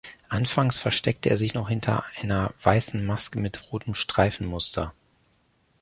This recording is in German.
Anfangs versteckte er sich noch hinter einer weißen Maske mit rotem Streifenmuster.